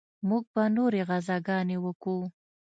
موږ به نورې غزاګانې وکو.